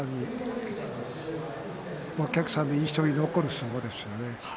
お客さんの印象に残る相撲でしたね。